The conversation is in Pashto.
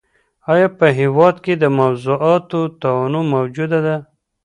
آيا په هېواد کي د موضوعاتو تنوع موجوده ده؟